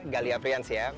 galih aprians ya